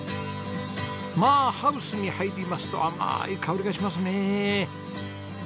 まあハウスに入りますと甘い香りがしますね。